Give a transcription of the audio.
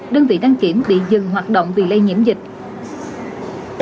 đơn vị đăng kiểm bị dừng hoạt động vì lây nhiễm dịch